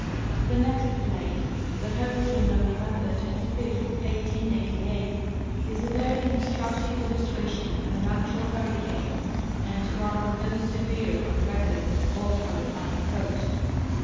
The next plate, THe Hurricane oF NOVEMBER 25, 1888, is a very instructive illustration of an actual hurricane, and one of the most severe on record off our Atlantic coast.